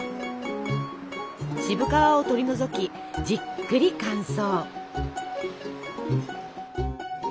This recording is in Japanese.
渋皮を取り除きじっくり乾燥。